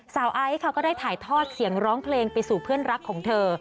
ไอซ์ค่ะก็ได้ถ่ายทอดเสียงร้องเพลงไปสู่เพื่อนรักของเธอ